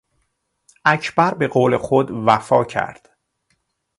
اکبر به قول خود وفا کرد.